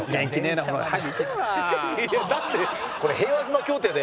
いやだって。